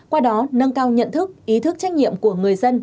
qua đó nâng cao nhận thức ý thức trách nhiệm của người dân